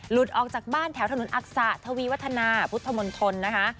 ออกจากบ้านแถวถนนอักษะทวีวัฒนาพุทธมนตรนะคะ